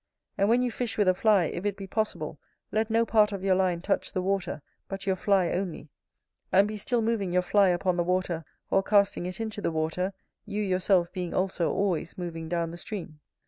And when you fish with a fly, if it be possible, let no part of your line touch the water, but your fly only; and be still moving your fly upon the water, or casting it into the water, you yourself being also always moving down the stream.